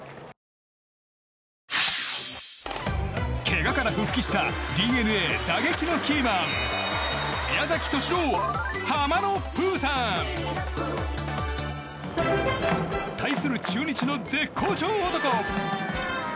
けがから復帰したＤｅＮＡ打撃のキーマン宮崎敏郎、ハマのプーさん！対する中日の絶好調男